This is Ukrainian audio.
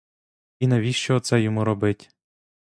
І навіщо оце йому робить?